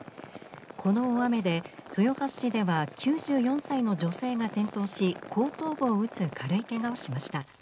この大雨で豊橋市では９４歳の女性が転倒し後頭部を打つ軽いけがをしました。